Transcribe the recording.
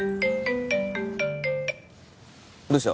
どうした？